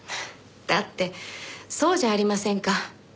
だってそうじゃありませんか。